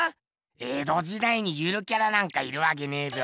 江戸時代にゆるキャラなんかいるわけねえべ。